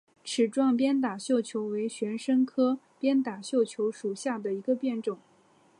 齿状鞭打绣球为玄参科鞭打绣球属下的一个变种。